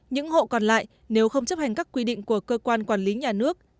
những hộ còn lại nếu không chấp hành các quy định của cơ quan quản lý nhà nước